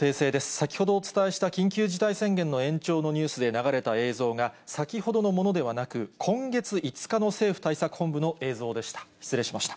先ほどお伝えした緊急事態宣言の延長のニュースで流れた映像が先ほどのものではなく、今月５日の政府対策本部の映像でした。